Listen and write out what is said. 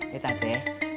lihat aja ya